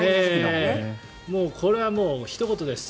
これはもうひと言です。